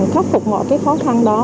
khắc phục mọi cái khó khăn đó